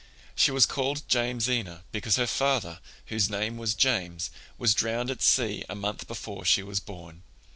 She was called Jamesina because her father, whose name was James, was drowned at sea a month before she was born.